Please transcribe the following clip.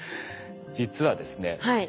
実はですね